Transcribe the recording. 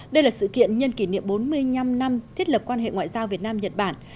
đây là sự kiện nhân kỷ niệm bốn mươi năm năm thiết lập quan hệ ngoại giao việt nam nhật bản